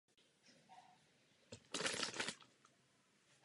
Rozměry Královského pole byly ve středověku základem české polní míry.